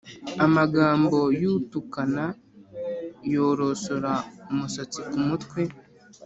Amagambo y’utukana yorosora umusatsi ku mutwe,